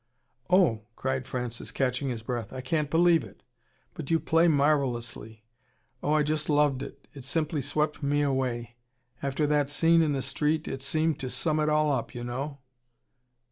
"Oh!" cried Francis, catching his breath. "I can't believe it. But you play MARVELLOUSLY! Oh, I just loved it, it simply swept me away, after that scene in the street. It seemed to sum it all up, you know."